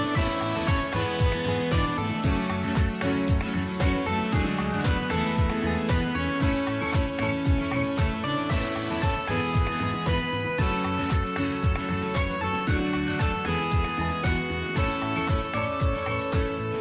สวัสดีครับแล้วครับ